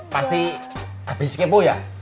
pasti abis kepo ya